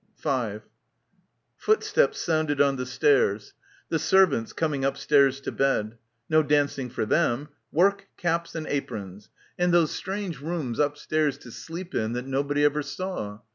5 Footsteps sounded on the stairs — the servants, coming upstairs to bed. No dancing for them. Work, caps and aprons. And those strange — 153 — PILGRIMAGE rooms upstairs to sleep in that nobody ever saw.